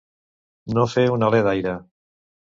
No fer un alè d'aire.